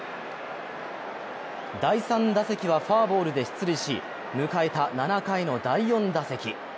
第３打席はフォアボールで出塁し、迎えた７回の第４打席。